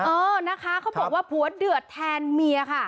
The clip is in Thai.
เออนะคะเขาบอกว่าผัวเดือดแทนเมียค่ะ